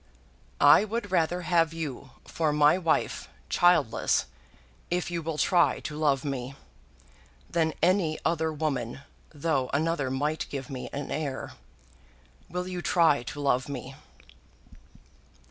"I would rather have you for my wife, childless, if you will try to love me, than any other woman, though another might give me an heir. Will you try to love me?"